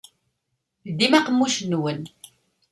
Ldim aqemmuc-nwen!